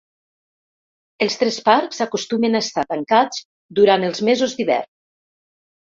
Els tres parcs acostumen a estar tancats durant els mesos d'hivern.